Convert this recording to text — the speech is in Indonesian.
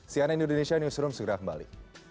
cnn indonesia newsroom segera kembali